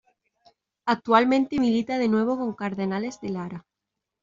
Actualmente milita de nuevo con Cardenales de Lara